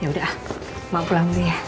ya udah mak pulang dulu ya